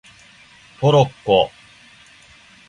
トロッコ